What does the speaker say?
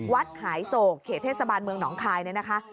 วัดหายโศกเขตเทศบาลเมืองหนองคายเนี่ยนะคะ